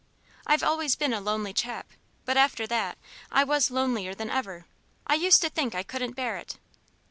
I've always been a lonely chap; but after that I was lonelier than ever; I used to think I couldn't bear it.